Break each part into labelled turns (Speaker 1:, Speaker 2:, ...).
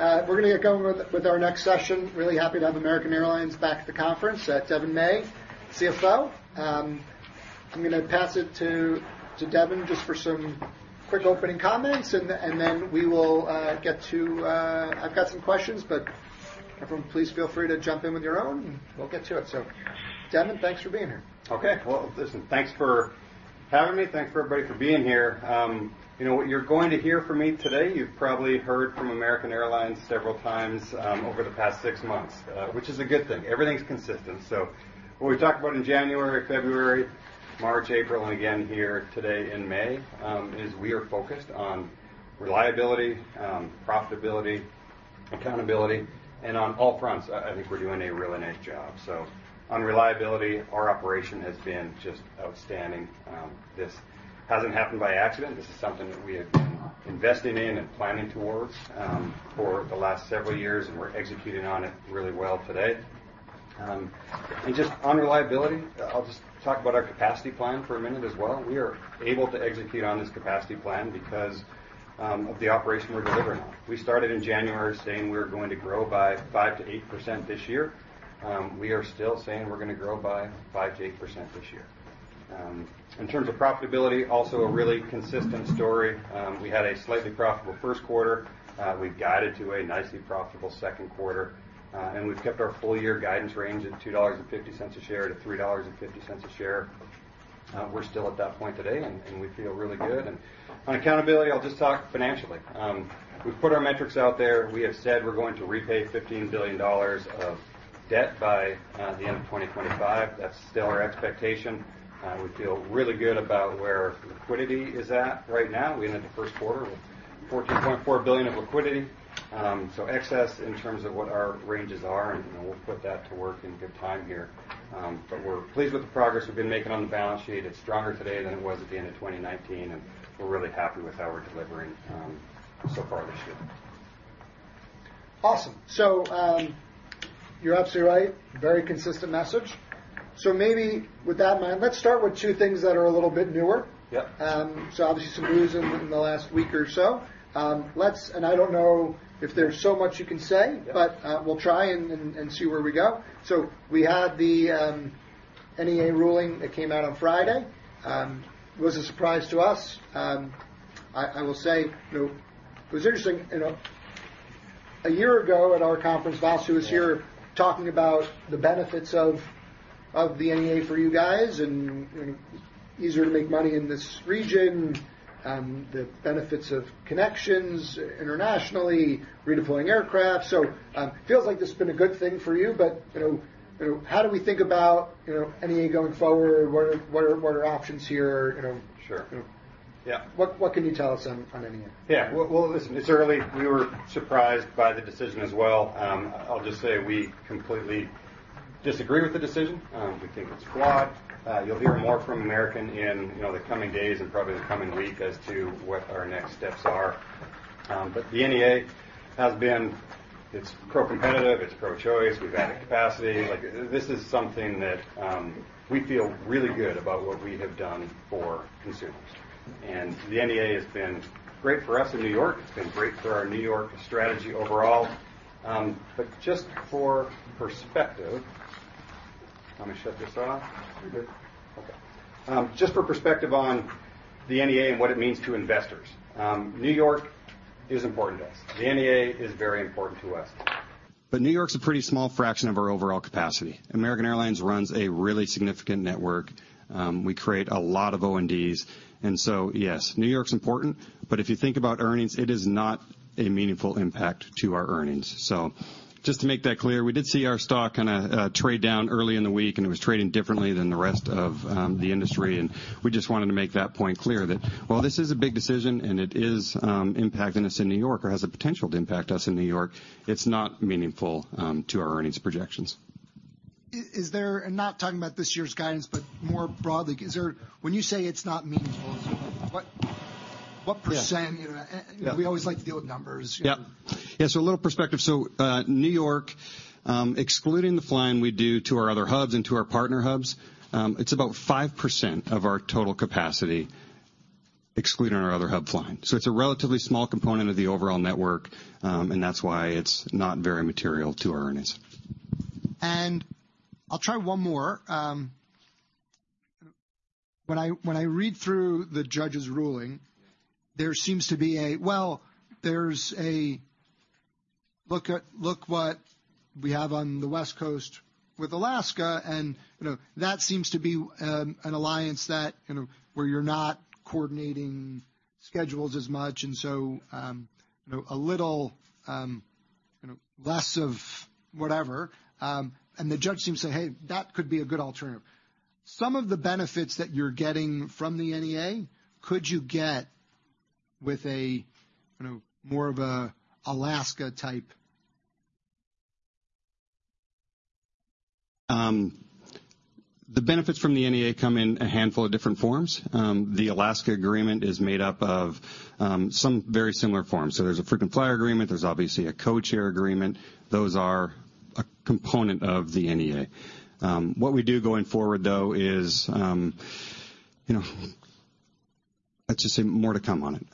Speaker 1: We're gonna get going with our next session. Really happy to have American Airlines back at the conference. Devon May, CFO. I'm gonna pass it to Devon, just for some quick opening comments, and then we will get to I've got some questions, but everyone, please feel free to jump in with your own, and we'll get to it. Devon, thanks for being here.
Speaker 2: Okay. Well, listen, thanks for having me. Thanks, everybody, for being here. You know, what you're going to hear from me today, you've probably heard from American Airlines several times over the past six months, which is a good thing. Everything's consistent. What we talked about in January, February, March, April, and again here today in May, is we are focused on reliability, profitability, accountability, and on all fronts, I think we're doing a really nice job. On reliability, our operation has been just outstanding. This hasn't happened by accident. This is something that we have been investing in and planning towards for the last several years, and we're executing on it really well today. Just on reliability, I'll just talk about our capacity plan for a minute as well. We are able to execute on this capacity plan because of the operation we're delivering on. We started in January saying we were going to grow by 5%-8% this year. We are still saying we're gonna grow by 5%-8% this year. In terms of profitability, also a really consistent story. We had a slightly profitable first quarter. We've guided to a nicely profitable second quarter, and we've kept our full year guidance range at $2.50 a share-$3.50 a share. We're still at that point today, and we feel really good. On accountability, I'll just talk financially. We've put our metrics out there. We have said we're going to repay $15 billion of debt by the end of 2025. That's still our expectation. We feel really good about where liquidity is at right now. We ended the first quarter with $14.4 billion of liquidity. Excess in terms of what our ranges are, we'll put that to work in good time here. We're pleased with the progress we've been making on the balance sheet. It's stronger today than it was at the end of 2019, and we're really happy with how we're delivering so far this year.
Speaker 1: Awesome. You're absolutely right. Very consistent message. Maybe with that in mind, let's start with two things that are a little bit newer.
Speaker 2: Yep.
Speaker 1: obviously some news in the last week or so. I don't know if there's so much you can say.
Speaker 2: Yep.
Speaker 1: We'll try and see where we go. We had the NEA ruling that came out on Friday. It was a surprise to us. I will say, you know, it was interesting, you know, a year ago at our conference, Vasu was here.
Speaker 2: Yeah
Speaker 1: talking about the benefits of the NEA for you guys, Easier to make money in this region, the benefits of connections internationally, redeploying aircraft. Feels like this has been a good thing for you know, how do we think about, you know, NEA going forward? What are options here, you know?
Speaker 2: Sure.
Speaker 1: You know.
Speaker 2: Yeah.
Speaker 1: What can you tell us on NEA?
Speaker 2: Yeah. Well, listen, it's early. We were surprised by the decision as well. I'll just say we completely disagree with the decision. We think it's flawed. You'll hear more from American in, you know, the coming days and probably the coming week as to what our next steps are. The NEA has been. It's pro-competitive, it's pro-choice. We've added capacity. Like, this is something that we feel really good about what we have done for consumers. The NEA has been great for us in New York. It's been great for our New York strategy overall. Just for perspective. Let me shut this off.
Speaker 1: Okay.
Speaker 2: Just for perspective on the NEA and what it means to investors, New York is important to us. The NEA is very important to us, but New York's a pretty small fraction of our overall capacity. American Airlines runs a really significant network. We create a lot of O&Ds, and so yes, New York's important, but if you think about earnings, it is not a meaningful impact to our earnings. Just to make that clear, we did see our stock kind of trade down early in the week, and it was trading differently than the rest of the industry. We just wanted to make that point clear that while this is a big decision, and it is impacting us in New York or has the potential to impact us in New York, it's not meaningful to our earnings projections.
Speaker 1: I'm not talking about this year's guidance, but more broadly, is there When you say it's not meaningful, what percent?
Speaker 2: Yeah.
Speaker 1: You know.
Speaker 2: Yeah.
Speaker 1: We always like to deal with numbers.
Speaker 2: A little perspective. New York, excluding the flying we do to our other hubs and to our partner hubs, it's about 5% of our total capacity, excluding our other hub flying. It's a relatively small component of the overall network, and that's why it's not very material to our earnings.
Speaker 1: I'll try one more. When I, when I read through the judge's ruling, there seems to be a, "Well, there's a... Look what we have on the West Coast with Alaska," and, you know, that seems to be an alliance that, you know, where you're not coordinating schedules as much, you know, a little, you know, less of whatever. The judge seems to say, "Hey, that could be a good alternative." Some of the benefits that you're getting from the NEA, could you get with a, you know, more of a Alaska type?
Speaker 2: The benefits from the NEA come in a handful of different forms. The Alaska agreement is made up of some very similar forms. There's a frequent flyer agreement. There's obviously a code share agreement. Those are a component of the NEA. What we do going forward, though, I'd just say more to come on it.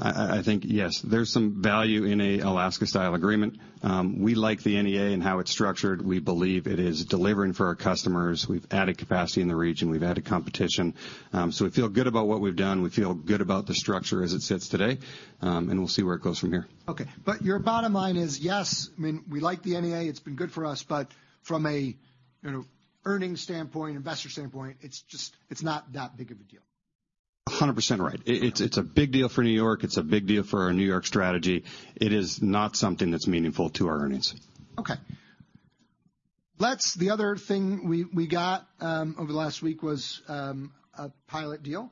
Speaker 2: I think, yes, there's some value in a Alaska-style agreement. We like the NEA and how it's structured. We believe it is delivering for our customers. We've added capacity in the region. We've added competition. We feel good about what we've done. We feel good about the structure as it sits today, we'll see where it goes from here.
Speaker 1: Okay. Your bottom line is, yes, I mean, we like the NEA, it's been good for us, but from a, you know, earnings standpoint, investor standpoint, it's not that big of a deal.
Speaker 2: 100% right. It's a big deal for New York. It's a big deal for our New York strategy. It is not something that's meaningful to our earnings.
Speaker 1: Okay. The other thing we got over the last week was a pilot deal.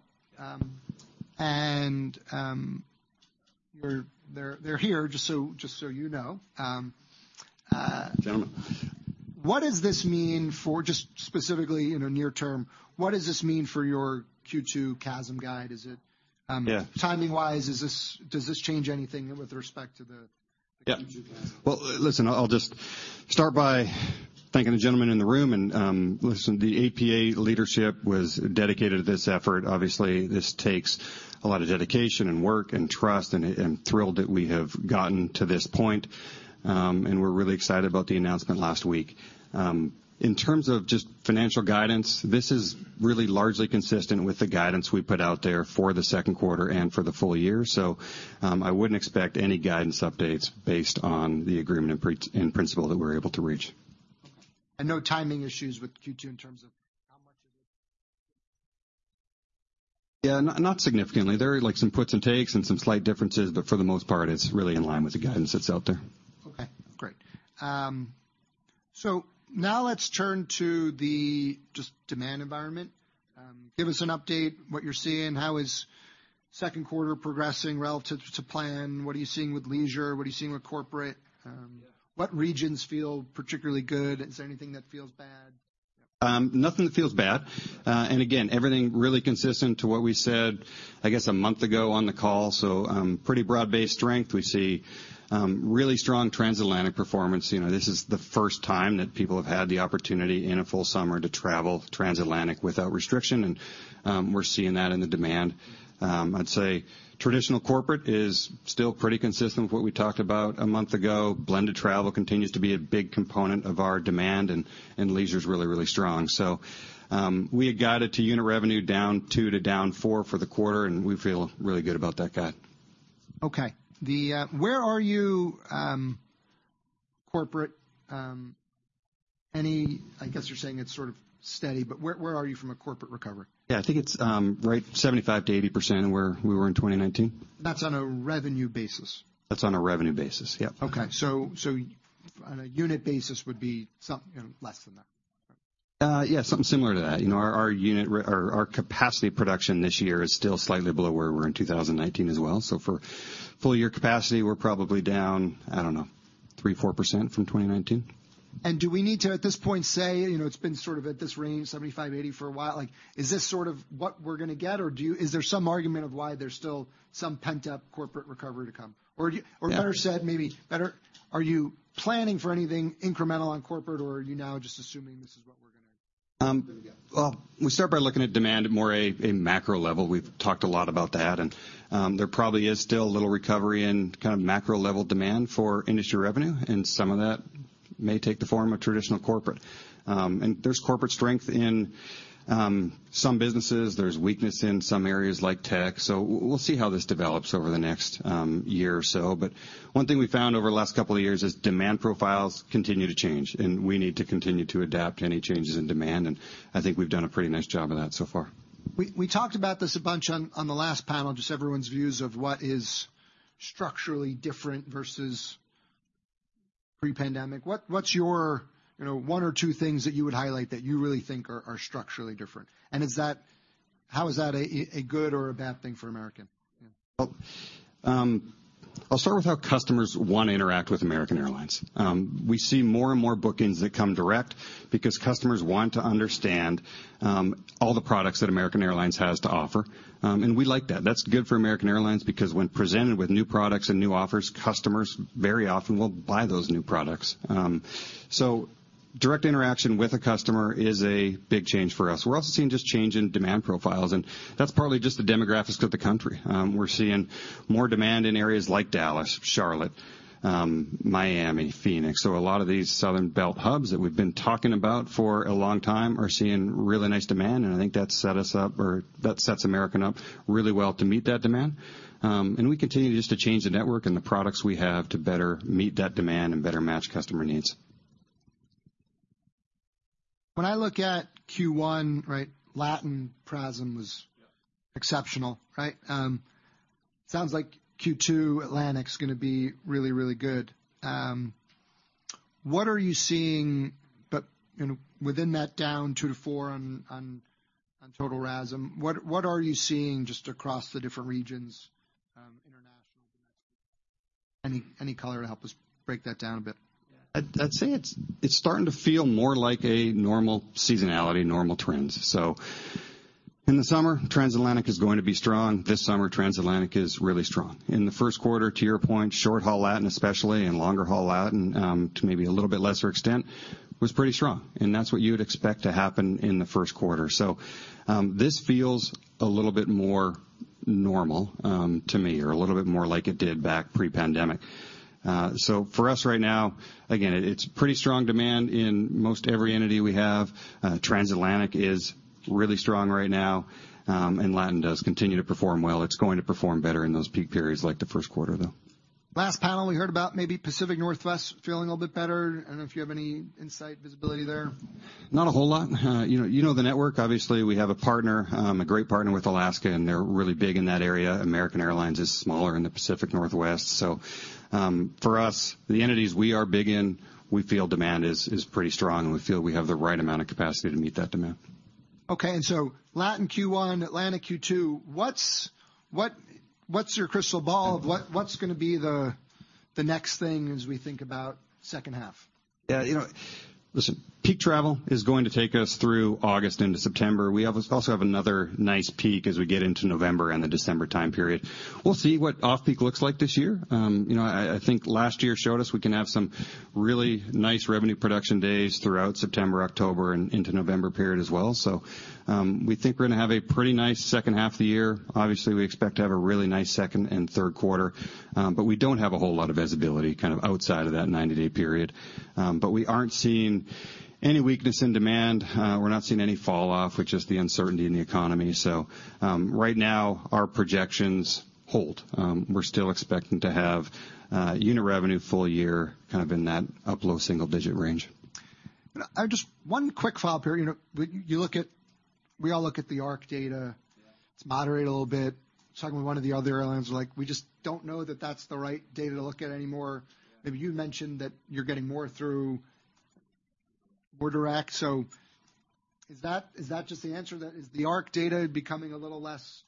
Speaker 1: You're, they're here, just so you know.
Speaker 2: Gentlemen.
Speaker 1: Just specifically in the near term, what does this mean for your Q2 CASM guide?
Speaker 2: Yeah.
Speaker 1: Timing-wise, does this change anything with respect to the-
Speaker 2: Yeah.
Speaker 1: Q2 CASM?
Speaker 2: Listen, I'll just start by thanking the gentlemen in the room, and, listen, the APA leadership was dedicated to this effort. Obviously, this takes a lot of dedication, and work, and trust, and I am thrilled that we have gotten to this point. We're really excited about the announcement last week. In terms of just financial guidance, this is really largely consistent with the guidance we put out there for the second quarter and for the full year. I wouldn't expect any guidance updates based on the agreement in principle that we're able to reach.
Speaker 1: No timing issues with Q2 in terms of how much of it?
Speaker 2: Yeah, not significantly. There are, like, some puts and takes and some slight differences, but for the most part, it's really in line with the guidance that's out there.
Speaker 1: Okay, great. Now let's turn to the just demand environment. Give us an update, what you're seeing, how is second quarter progressing relative to plan? What are you seeing with leisure? What are you seeing with corporate? What regions feel particularly good? Is there anything that feels bad?
Speaker 2: Nothing that feels bad. Again, everything really consistent to what we said, I guess, a month ago on the call. Pretty broad-based strength. We see really strong transatlantic performance. You know, this is the first time that people have had the opportunity in a full summer to travel transatlantic without restriction, and we're seeing that in the demand. I'd say traditional corporate is still pretty consistent with what we talked about a month ago. Blended travel continues to be a big component of our demand, and leisure is really, really strong. We had guided to unit revenue down 2% to down 4% for the quarter, and we feel really good about that guide.
Speaker 1: Okay. Where are you, corporate, I guess you're saying it's sort of steady, but where are you from a corporate recovery?
Speaker 2: I think it's, right, 75%-80% of where we were in 2019.
Speaker 1: That's on a revenue basis?
Speaker 2: That's on a revenue basis, yep.
Speaker 1: On a unit basis would be you know, less than that.
Speaker 2: Yeah, something similar to that. You know, our unit or our capacity production this year is still slightly below where we were in 2019 as well. For full year capacity, we're probably down, I don't know, 3%-4% from 2019.
Speaker 1: Do we need to, at this point, say, you know, it's been sort of at this range, 75, 80 for a while? Like, is this sort of what we're gonna get, or is there some argument of why there's still some pent-up corporate recovery to come?
Speaker 2: Yeah.
Speaker 1: Better said, maybe better, are you planning for anything incremental on corporate, or are you now just assuming this is what we're gonna do?
Speaker 2: We start by looking at demand at more a macro level. We've talked a lot about that, and there probably is still a little recovery in kind of macro-level demand for industry revenue, and some of that may take the form of traditional corporate. There's corporate strength in some businesses. There's weakness in some areas like tech, so we'll see how this develops over the next year or so. One thing we found over the last couple of years is demand profiles continue to change, and we need to continue to adapt to any changes in demand, and I think we've done a pretty nice job of that so far.
Speaker 1: We talked about this a bunch on the last panel, just everyone's views of what is structurally different versus pre-pandemic. What's your, you know, one or two things that you would highlight that you really think are structurally different? How is that a good or a bad thing for American?
Speaker 2: I'll start with how customers want to interact with American Airlines. We see more and more bookings that come direct because customers want to understand all the products that American Airlines has to offer. And we like that. That's good for American Airlines, because when presented with new products and new offers, customers very often will buy those new products. So direct interaction with a customer is a big change for us. We're also seeing just change in demand profiles, and that's partly just the demographics of the country. We're seeing more demand in areas like Dallas, Charlotte, Miami, Phoenix. So a lot of these Sun Belt hubs that we've been talking about for a long time are seeing really nice demand, and I think that set us up, or that sets American up really well to meet that demand. We continue just to change the network and the products we have to better meet that demand and better match customer needs.
Speaker 1: When I look at Q1, right, Latin PRASM was exceptional, right? Sounds like Q2 Atlantic's gonna be really, really good. You know, within that down 2%-4% on total RASM, what are you seeing just across the different regions, international? Any color to help us break that down a bit?
Speaker 2: I'd say it's starting to feel more like a normal seasonality, normal trends. In the summer, Transatlantic is going to be strong. This summer, Transatlantic is really strong. In the first quarter, to your point, short-haul Latin especially, and longer-haul Latin, to maybe a little bit lesser extent, was pretty strong, and that's what you would expect to happen in the first quarter. This feels a little bit more normal to me, or a little bit more like it did back pre-pandemic. For us right now, again, it's pretty strong demand in most every entity we have. Transatlantic is really strong right now. Latin does continue to perform well. It's going to perform better in those peak periods like the first quarter, though.
Speaker 1: Last panel, we heard about maybe Pacific Northwest feeling a little bit better. I don't know if you have any insight, visibility there?
Speaker 2: Not a whole lot. you know the network. Obviously, we have a partner, a great partner with Alaska, and they're really big in that area. American Airlines is smaller in the Pacific Northwest. For us, the entities we are big in, we feel demand is pretty strong, and we feel we have the right amount of capacity to meet that demand.
Speaker 1: Okay. Latin Q1, Atlantic Q2, what's gonna be the next thing as we think about second half?
Speaker 2: You know, listen, peak travel is going to take us through August into September. We also have another nice peak as we get into November and the December time period. We'll see what off-peak looks like this year. You know, I think last year showed us we can have some really nice revenue production days throughout September, October, and into November period as well. We think we're gonna have a pretty nice second half of the year. Obviously, we expect to have a really nice second and third quarter. We don't have a whole lot of visibility kind of outside of that 90-day period. We aren't seeing any weakness in demand. We're not seeing any falloff, which is the uncertainty in the economy. Right now, our projections hold. We're still expecting to have, unit revenue full year kind of in that up low single-digit range.
Speaker 1: Just one quick follow-up here. You know, we all look at the ARC data.
Speaker 2: Yeah.
Speaker 1: It's moderate a little bit. I was talking to one of the other airlines, they're like, "We just don't know that that's the right data to look at anymore.
Speaker 2: Yeah.
Speaker 1: Maybe you mentioned that you're getting more through Order Act. Is that just the answer, that is the ARC data becoming a little less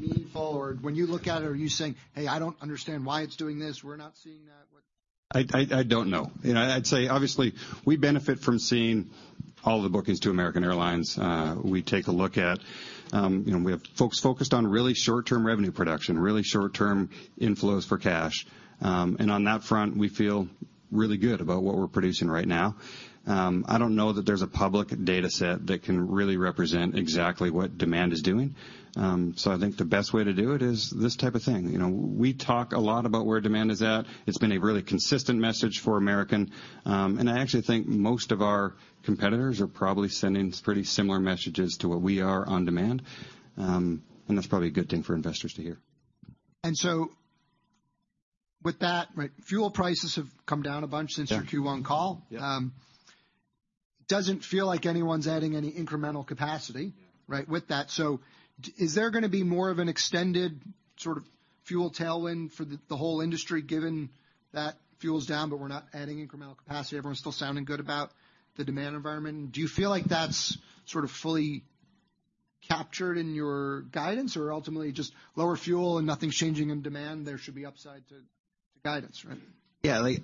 Speaker 1: meaningful? When you look at it, are you saying, "Hey, I don't understand why it's doing this. We're not seeing that?
Speaker 2: I don't know. You know, I'd say, obviously, we benefit from seeing all the bookings to American Airlines. You know, we have folks focused on really short-term revenue production, really short-term inflows for cash. On that front, we feel really good about what we're producing right now. I don't know that there's a public data set that can really represent exactly what demand is doing. I think the best way to do it is this type of thing. You know, we talk a lot about where demand is at. It's been a really consistent message for American, and I actually think most of our competitors are probably sending pretty similar messages to what we are on demand. That's probably a good thing for investors to hear.
Speaker 1: with that, right, fuel prices have come down a bunch.
Speaker 2: Yeah.
Speaker 1: since your Q1 call.
Speaker 2: Yeah.
Speaker 1: Doesn't feel like anyone's adding any incremental capacity.
Speaker 2: Yeah.
Speaker 1: Right, with that. Is there gonna be more of an extended sort of fuel tailwind for the whole industry, given that fuel's down, but we're not adding incremental capacity, everyone's still sounding good about the demand environment? Do you feel like that's sort of fully captured in your guidance? Ultimately, just lower fuel and nothing's changing in demand, there should be upside to guidance, right?
Speaker 2: Yeah, like,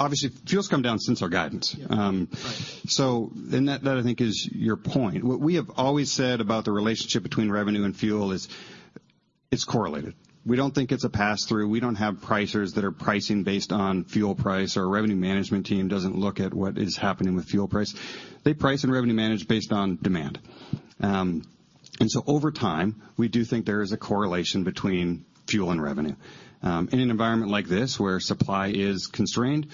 Speaker 2: obviously, fuel's come down since our guidance.
Speaker 1: Yeah. Right.
Speaker 2: That I think is your point. What we have always said about the relationship between revenue and fuel is it's correlated. We don't think it's a pass-through. We don't have pricers that are pricing based on fuel price. Our revenue management team doesn't look at what is happening with fuel price. They price and revenue manage based on demand. Over time, we do think there is a correlation between fuel and revenue. In an environment like this, where supply is constrained,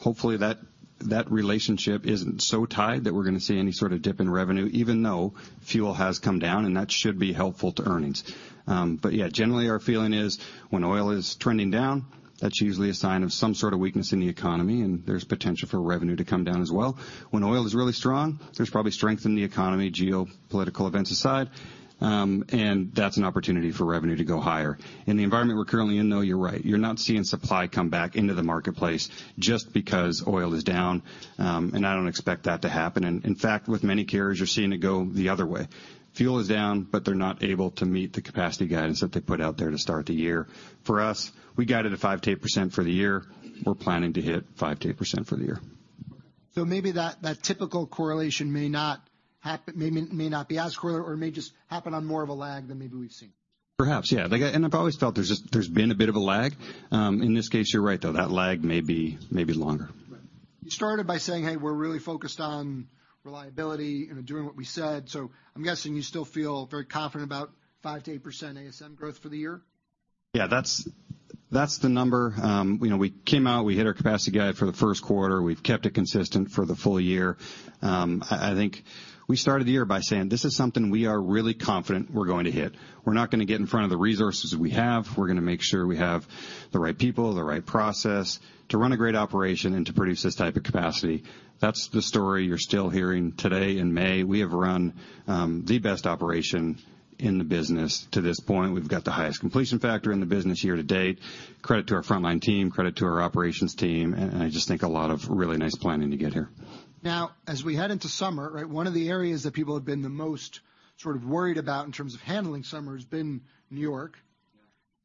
Speaker 2: hopefully, that relationship isn't so tied that we're gonna see any sort of dip in revenue, even though fuel has come down, and that should be helpful to earnings. Yeah, generally, our feeling is when oil is trending down, that's usually a sign of some sort of weakness in the economy, and there's potential for revenue to come down as well. When oil is really strong, there's probably strength in the economy, geopolitical events aside, and that's an opportunity for revenue to go higher. In the environment we're currently in, though, you're right. You're not seeing supply come back into the marketplace just because oil is down, and I don't expect that to happen. In fact, with many carriers, you're seeing it go the other way. Fuel is down, but they're not able to meet the capacity guidance that they put out there to start the year. For us, we guided at 5%-8% for the year. We're planning to hit 5%-8% for the year.
Speaker 1: maybe that typical correlation may not be as correlated or may just happen on more of a lag than maybe we've seen.
Speaker 2: Perhaps, yeah. Like, I've always felt there's been a bit of a lag. In this case, you're right, though, that lag may be longer.
Speaker 1: Right. You started by saying, "Hey, we're really focused on reliability and doing what we said." I'm guessing you still feel very confident about 5%-8% ASM growth for the year?
Speaker 2: Yeah, that's the number. You know, we came out, we hit our capacity guide for the 1st quarter. We've kept it consistent for the full year. I think we started the year by saying, "This is something we are really confident we're going to hit." We're not gonna get in front of the resources we have. We're gonna make sure we have the right people, the right process to run a great operation and to produce this type of capacity. That's the story you're still hearing today in May. We have run the best operation in the business to this point. We've got the highest completion factor in the business year to date. Credit to our frontline team, credit to our operations team, and I just think a lot of really nice planning to get here.
Speaker 1: As we head into summer, right, one of the areas that people have been the most sort of worried about in terms of handling summer has been New York.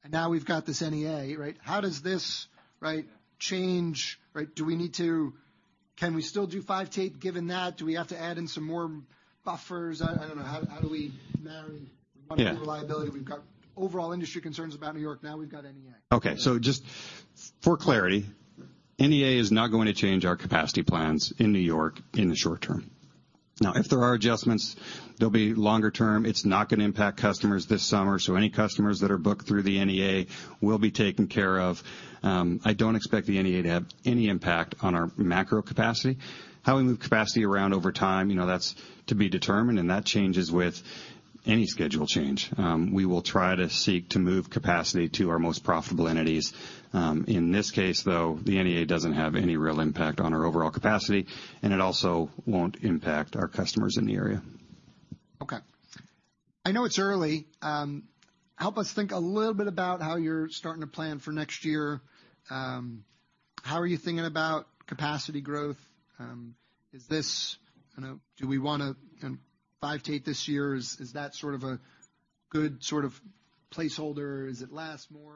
Speaker 2: Yeah.
Speaker 1: Now we've got this NEA, right? How does this, right, change, right... Can we still do five tape given that? Do we have to add in some more buffers? I don't know, how do we marry-
Speaker 2: Yeah.
Speaker 1: reliability? We've got overall industry concerns about New York. Now we've got NEA.
Speaker 2: Just for clarity. NEA is not going to change our capacity plans in New York in the short term. If there are adjustments, they'll be longer term. It's not gonna impact customers this summer, so any customers that are booked through the NEA will be taken care of. I don't expect the NEA to have any impact on our macro capacity. How we move capacity around over time, you know, that's to be determined, and that changes with any schedule change. We will try to seek to move capacity to our most profitable entities. In this case, though, the NEA doesn't have any real impact on our overall capacity, and it also won't impact our customers in the area.
Speaker 1: Okay. I know it's early. Help us think a little bit about how you're starting to plan for next year. How are you thinking about capacity growth? Is this, you know, do we wanna, you know, five take this year? Is that sort of a good sort of placeholder? Is it less, more?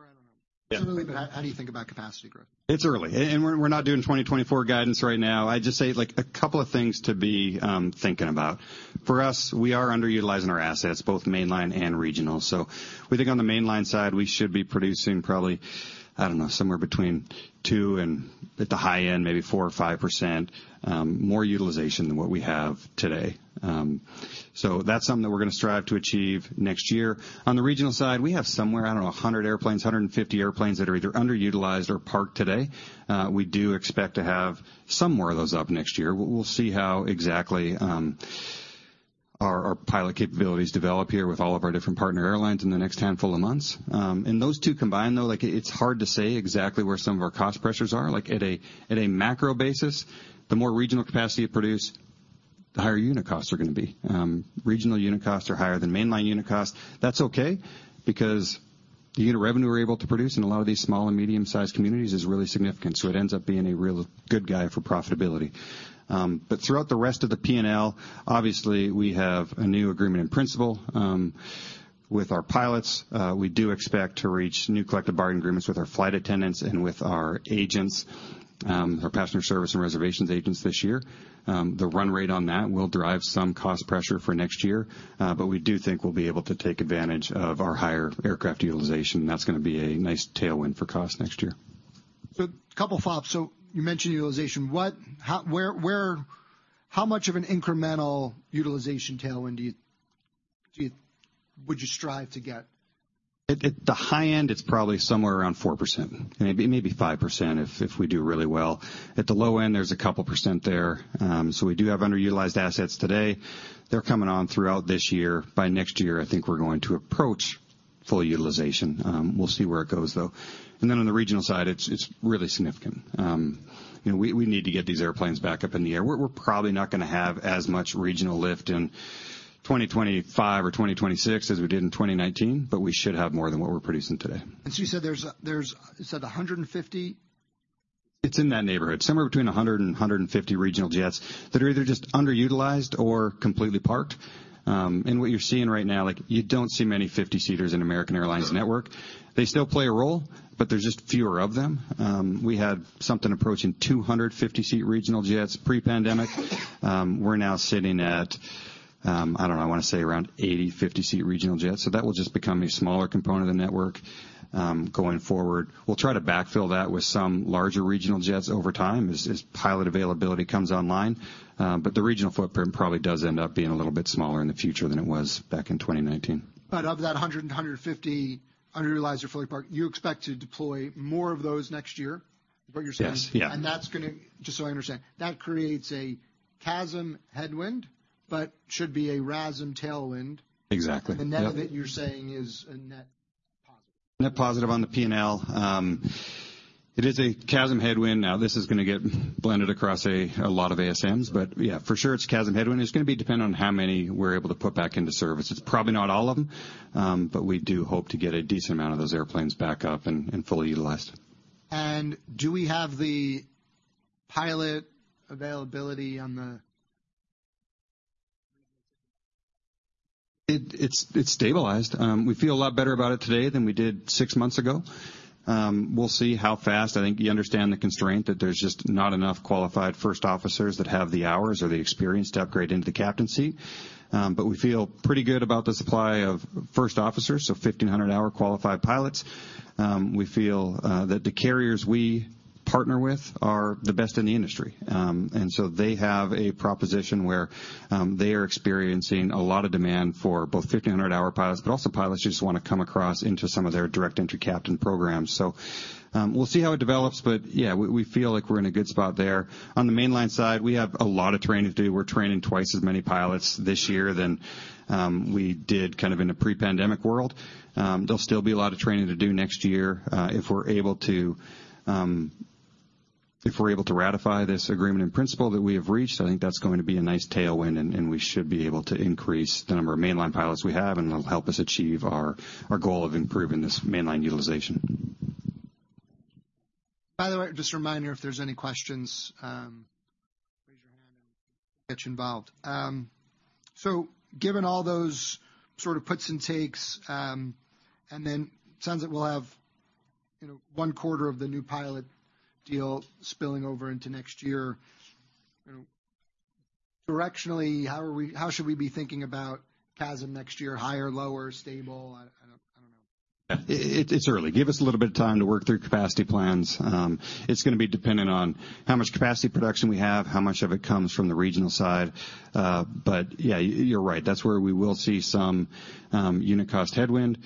Speaker 1: I don't know.
Speaker 2: Yeah.
Speaker 1: How do you think about capacity growth?
Speaker 2: It's early, we're not doing 2024 guidance right now. I'd just say, like, a couple of things to be thinking about. For us, we are underutilizing our assets, both mainline and regional. We think on the mainline side, we should be producing probably, somewhere between two and, at the high end, maybe 4% or 5% more utilization than what we have today. That's something that we're gonna strive to achieve next year. On the regional side, we have somewhere, 100 airplanes, 150 airplanes that are either underutilized or parked today. We do expect to have some more of those up next year. We'll see how exactly our pilot capabilities develop here with all of our different partner airlines in the next handful of months. Those two combined, though, like, it's hard to say exactly where some of our cost pressures are. Like, at a macro basis, the more regional capacity you produce, the higher unit costs are gonna be. Regional unit costs are higher than mainline unit costs. That's okay, because the unit revenue we're able to produce in a lot of these small and medium-sized communities is really significant, so it ends up being a real good guy for profitability. Throughout the rest of the P&L, obviously, we have a new agreement in principle, with our pilots. We do expect to reach new collective bargaining agreements with our flight attendants and with our agents, our passenger service and reservations agents this year. The run rate on that will drive some cost pressure for next year, but we do think we'll be able to take advantage of our higher aircraft utilization, and that's gonna be a nice tailwind for cost next year.
Speaker 1: A couple follow-ups. You mentioned utilization. What, how, where... How much of an incremental utilization tailwind would you strive to get?
Speaker 2: At the high end, it's probably somewhere around 4%, maybe 5% if we do really well. At the low end, there's a couple percent there. So we do have underutilized assets today. They're coming on throughout this year. By next year, I think we're going to approach full utilization. We'll see where it goes, though. On the regional side, it's really significant. You know, we need to get these airplanes back up in the air. We're probably not gonna have as much regional lift in 2025 or 2026 as we did in 2019, but we should have more than what we're producing today.
Speaker 1: You said there's a, you said 150?
Speaker 2: It's in that neighborhood, somewhere between 100 and 150 regional jets that are either just underutilized or completely parked. What you're seeing right now, like, you don't see many 50-seaters in American Airlines network.
Speaker 1: Sure.
Speaker 2: They still play a role, but there's just fewer of them. We had something approaching 250-seat regional jets pre-pandemic. We're now sitting at, I don't know, I wanna say around 80 50-seat regional jets, so that will just become a smaller component of the network. Going forward, we'll try to backfill that with some larger regional jets over time as pilot availability comes online. The regional footprint probably does end up being a little bit smaller in the future than it was back in 2019.
Speaker 1: Of that 150 underutilized or fully parked, you expect to deploy more of those next year, is what you're saying?
Speaker 2: Yes. Yeah.
Speaker 1: That's gonna, just so I understand, that creates a CASM headwind, but should be a RASM tailwind.
Speaker 2: Exactly, yeah.
Speaker 1: The net of it, you're saying, is a net positive.
Speaker 2: Net positive on the P&L. It is a CASM headwind. This is gonna get blended across a lot of ASMs, but yeah, for sure, it's a CASM headwind. It's gonna be dependent on how many we're able to put back into service. It's probably not all of them, but we do hope to get a decent amount of those airplanes back up and fully utilized.
Speaker 1: Do we have the pilot availability on the?
Speaker 2: It's stabilized. We feel a lot better about it today than we did six months ago. We'll see how fast. I think you understand the constraint, that there's just not enough qualified first officers that have the hours or the experience to upgrade into the captain seat. We feel pretty good about the supply of first officers, so 1500-hour qualified pilots. We feel that the carriers we partner with are the best in the industry. They have a proposition where they are experiencing a lot of demand for both 1500-hour pilots, but also pilots who just wanna come across into some of their Direct Entry Captain programs. We'll see how it develops, but yeah, we feel like we're in a good spot there. On the mainline side, we have a lot of training to do. We're training twice as many pilots this year than, we did kind of in a pre-pandemic world. There'll still be a lot of training to do next year. If we're able to, if we're able to ratify this agreement in principle that we have reached, I think that's going to be a nice tailwind, and we should be able to increase the number of mainline pilots we have, and it'll help us achieve our goal of improving this mainline utilization.
Speaker 1: By the way, just a reminder, if there's any questions, raise your hand and we'll get you involved. Given all those sort of puts and takes, and then it sounds like we'll have, you know, one quarter of the new pilot deal spilling over into next year, Directionally, how should we be thinking about CASM next year? Higher, lower, stable? I don't know.
Speaker 2: Yeah, it's early. Give us a little bit of time to work through capacity plans. It's gonna be dependent on how much capacity production we have, how much of it comes from the regional side. Yeah, you're right. That's where we will see some unit cost headwind,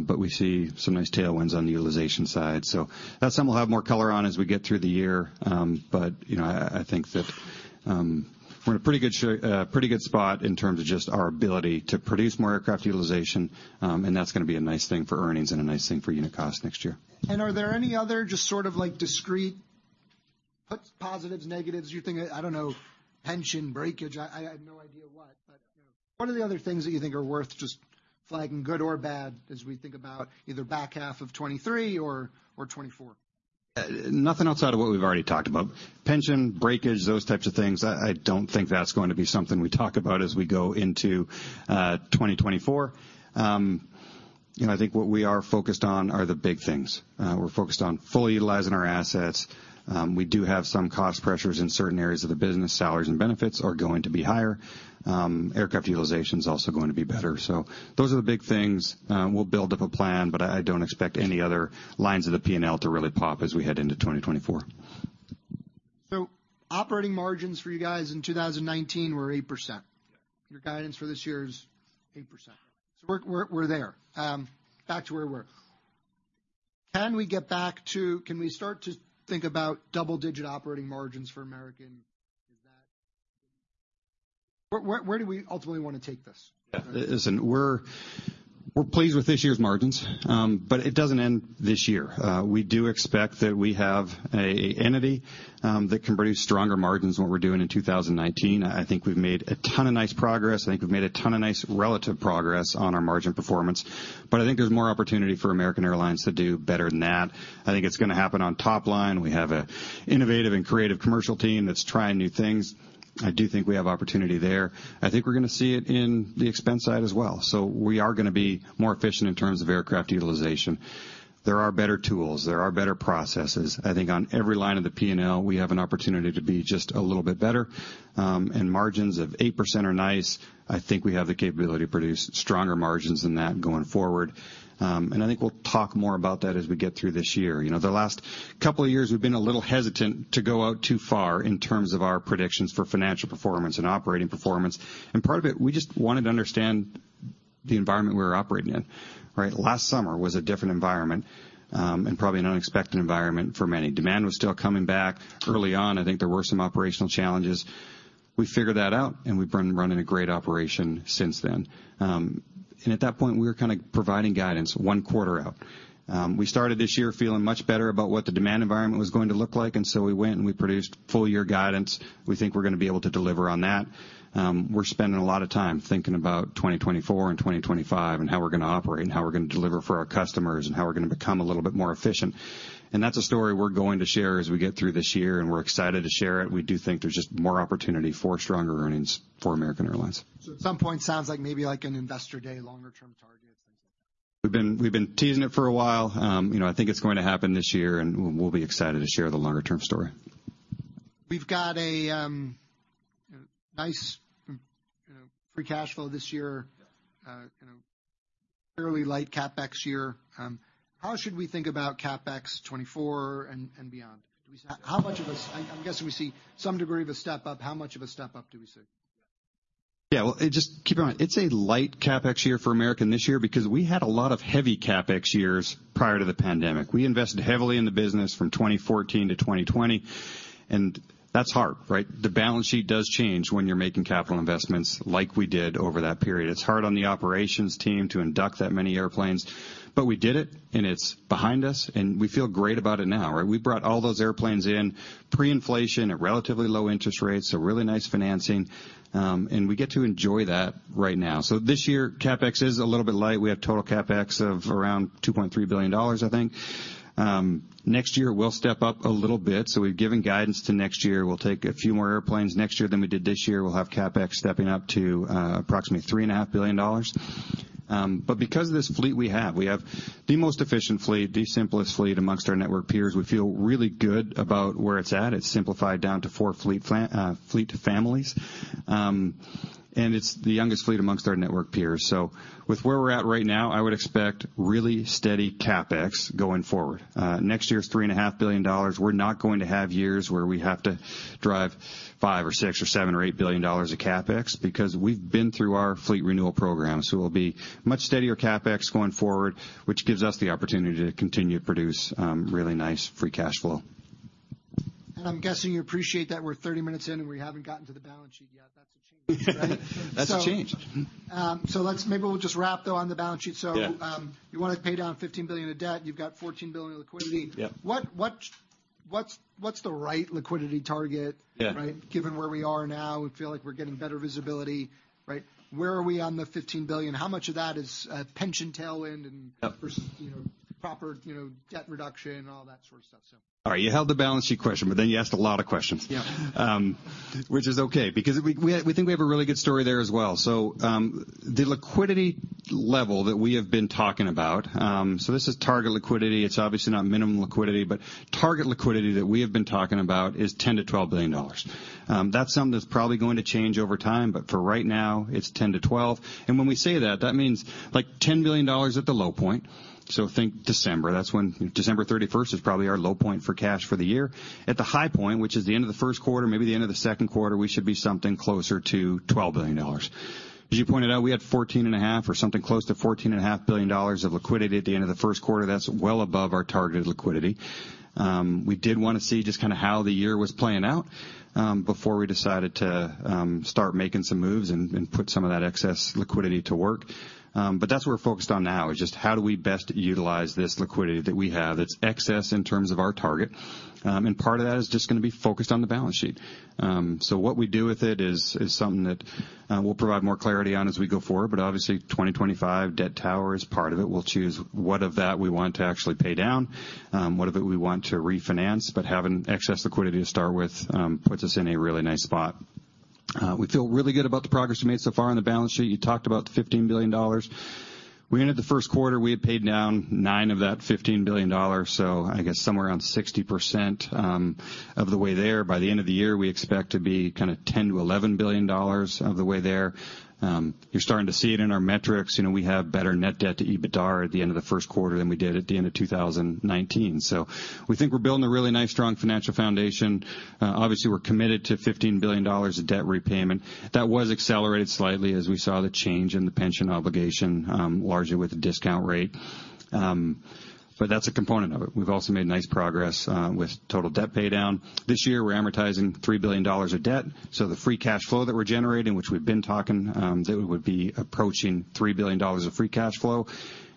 Speaker 2: but we see some nice tailwinds on the utilization side. That's something we'll have more color on as we get through the year. You know, I think that we're in a pretty good spot in terms of just our ability to produce more aircraft utilization, and that's gonna be a nice thing for earnings and a nice thing for unit cost next year.
Speaker 1: Are there any other just sort of like discrete positives, negatives, you think? I don't know, pension, breakage. I have no idea what, but, you know, what are the other things that you think are worth just flagging, good or bad, as we think about either back half of 2023 or 2024?
Speaker 2: Nothing outside of what we've already talked about. Pension, breakage, those types of things, I don't think that's going to be something we talk about as we go into 2024. You know, I think what we are focused on are the big things. We're focused on fully utilizing our assets. We do have some cost pressures in certain areas of the business. Salaries and benefits are going to be higher. Aircraft utilization is also going to be better. Those are the big things. We'll build up a plan, I don't expect any other lines of the P&L to really pop as we head into 2024.
Speaker 1: Operating margins for you guys in 2019 were 8%.
Speaker 2: Yeah.
Speaker 1: Your guidance for this year is 8%. We're there, back to where we were. Can we start to think about double-digit operating margins for American? Is that? Where do we ultimately wanna take this?
Speaker 2: Listen, we're pleased with this year's margins. It doesn't end this year. We do expect that we have an entity that can produce stronger margins than what we're doing in 2019. I think we've made a ton of nice progress. I think we've made a ton of nice relative progress on our margin performance, but I think there's more opportunity for American Airlines to do better than that. I think it's gonna happen on top line. We have an innovative and creative commercial team that's trying new things. I do think we have opportunity there. I think we're gonna see it in the expense side as well. We are gonna be more efficient in terms of aircraft utilization. There are better tools, there are better processes. I think on every line of the P&L, we have an opportunity to be just a little bit better. Margins of 8% are nice. I think we have the capability to produce stronger margins than that going forward. I think we'll talk more about that as we get through this year. You know, the last couple of years, we've been a little hesitant to go out too far in terms of our predictions for financial performance and operating performance. Part of it, we just wanted to understand the environment we were operating in, right? Last summer was a different environment, and probably an unexpected environment for many. Demand was still coming back early on. I think there were some operational challenges. We figured that out, and we've been running a great operation since then. At that point, we were kind of providing guidance one quarter out. We started this year feeling much better about what the demand environment was going to look like, and so we went and we produced full year guidance. We think we're gonna be able to deliver on that. We're spending a lot of time thinking about 2024 and 2025, and how we're gonna operate, and how we're gonna deliver for our customers, and how we're gonna become a little bit more efficient. That's a story we're going to share as we get through this year, and we're excited to share it. We do think there's just more opportunity for stronger earnings for American Airlines.
Speaker 1: At some point, sounds like maybe like an investor day, longer-term targets, things like that.
Speaker 2: We've been teasing it for a while. you know, I think it's going to happen this year, and we'll be excited to share the longer-term story.
Speaker 1: We've got a, nice, you know, free cash flow this year. You know, fairly light CapEx year. How should we think about CapEx 2024 and beyond? How much of a. I'm guessing we see some degree of a step up. How much of a step up do we see?
Speaker 2: Well, just keep in mind, it's a light CapEx year for American this year because we had a lot of heavy CapEx years prior to the pandemic. We invested heavily in the business from 2014 to 2020, and that's hard, right? The balance sheet does change when you're making capital investments like we did over that period. It's hard on the operations team to induct that many airplanes, but we did it, and it's behind us, and we feel great about it now, right? We brought all those airplanes in pre-inflation at relatively low interest rates, so really nice financing. We get to enjoy that right now. This year, CapEx is a little bit light. We have total CapEx of around $2.3 billion, I think. Next year will step up a little bit, so we've given guidance to next year. We'll take a few more airplanes next year than we did this year. We'll have CapEx stepping up to approximately three and a half billion dollars. Because of this fleet we have, we have the most efficient fleet, the simplest fleet amongst our network peers. We feel really good about where it's at. It's simplified down to four fleet families. It's the youngest fleet amongst our network peers. With where we're at right now, I would expect really steady CapEx going forward. Next year is three and a half billion dollars. We're not going to have years where we have to drive $5 billion or $6 billion or $7 billion or $8 billion of CapEx because we've been through our fleet renewal program. we'll be much steadier CapEx going forward, which gives us the opportunity to continue to produce really nice free cash flow.
Speaker 1: I'm guessing you appreciate that we're 30 minutes in, and we haven't gotten to the balance sheet yet. That's a change, right?
Speaker 2: That's a change.
Speaker 1: Maybe we'll just wrap, though, on the balance sheet.
Speaker 2: Yeah.
Speaker 1: you wanna pay down $15 billion of debt, you've got $14 billion of liquidity.
Speaker 2: Yeah.
Speaker 1: What's the right liquidity target?
Speaker 2: Yeah...
Speaker 1: right, given where we are now, we feel like we're getting better visibility, right? Where are we on the $15 billion? How much of that is pension tail? Yep, versus, you know, proper, you know, debt reduction and all that sort of stuff, so.
Speaker 2: You held the balance sheet question, but then you asked a lot of questions.
Speaker 1: Yeah.
Speaker 2: Which is okay because we think we have a really good story there as well. The liquidity level that we have been talking about, this is target liquidity. It's obviously not minimum liquidity, but target liquidity that we have been talking about is $10-$12 billion. That's something that's probably going to change over time, but for right now, it's $10-$12 billion. When we say that means like $10 billion at the low point. Think December, that's when December 31st is probably our low point for cash for the year. At the high point, which is the end of the first quarter, maybe the end of the second quarter, we should be something closer to $12 billion. As you pointed out, we had 14.5 or something close to 14.5 billion dollars of liquidity at the end of the first quarter. That's well above our targeted liquidity. We did wanna see just kinda how the year was playing out before we decided to start making some moves and put some of that excess liquidity to work. That's what we're focused on now, is just how do we best utilize this liquidity that we have that's excess in terms of our target? Part of that is just gonna be focused on the balance sheet. What we do with it is something that we'll provide more clarity on as we go forward, but obviously 2025 Debt Tower is part of it. We'll choose what of that we want to actually pay down, what of it we want to refinance, but having excess liquidity to start with, puts us in a really nice spot. We feel really good about the progress we made so far on the balance sheet. You talked about the $15 billion. We ended the first quarter, we had paid down $9 of that $15 billion, so I guess somewhere around 60% of the way there. By the end of the year, we expect to be kinda $10-$11 billion of the way there. You're starting to see it in our metrics. You know, we have better net debt to EBITDA at the end of the first quarter than we did at the end of 2019. We think we're building a really nice, strong financial foundation. Obviously, we're committed to $15 billion of debt repayment. That was accelerated slightly as we saw the change in the pension obligation, largely with the discount rate. That's a component of it. We've also made nice progress with total debt paydown. This year, we're amortizing $3 billion of debt, so the free cash flow that we're generating, which we've been talking, that would be approaching $3 billion of free cash flow,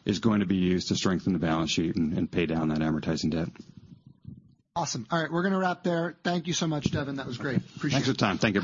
Speaker 2: is going to be used to strengthen the balance sheet and pay down that amortizing debt.
Speaker 1: Awesome. We're gonna wrap there. Thank you so much, Devon. That was great. Appreciate it.
Speaker 2: Thanks for the time. Thank you.